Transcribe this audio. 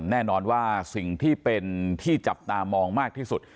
แน่นอนว่าสิ่งที่เป็นที่จับตามองมากที่สุด